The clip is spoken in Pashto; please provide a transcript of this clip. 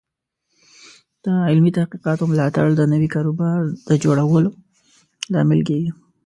د علمي تحقیقاتو ملاتړ د نوي کاروبارونو د جوړولو لامل کیږي.